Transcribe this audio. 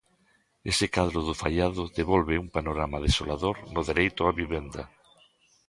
Ese cadro do faiado devolve un panorama desolador no dereito á vivenda.